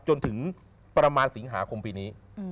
จนถึงประมาณสิงหาคมปีนี้